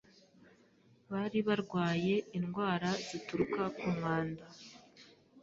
bari barwaye indwara zituruka ku mwanda